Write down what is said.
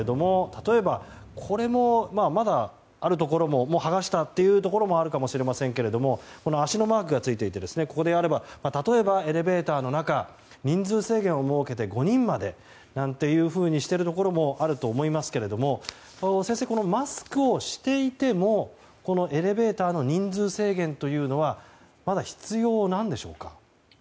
例えば、これもまだあるところももう剥がしたというところもあるかもしれませんが足のマークがついていて例えばエレベーターの中人数制限を設けて５人までなんてしているところもあると思いますけど先生、マスクをしていてもエレベーターの人数制限というのはまだ必要なんでしょうか。